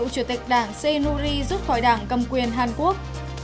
cựu chủ tịch đảng senuri rút khỏi đảng cầm quyền hàn quốc